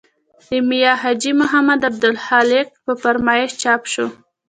د میا حاجي محمد او عبدالخالق په فرمایش چاپ شو.